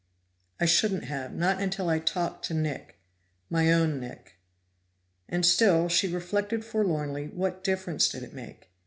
"I shouldn't have, not until I'd talked to Nick my own Nick." And still, she reflected forlornly, what difference did it make?